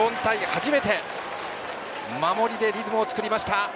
初めて守りでリズムを作りました。